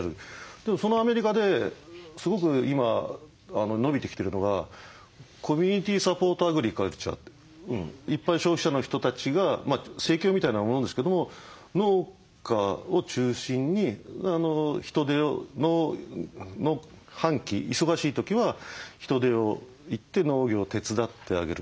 でもそのアメリカですごく今伸びてきてるのがコミュニティーサポートアグリカルチャーって一般消費者の人たちが生協みたいなものですけども農家を中心に人手を農繁期忙しい時は人手を行って農業手伝ってあげる。